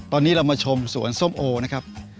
ตอนนี้เรามาชมสวนส้มโอนะครับ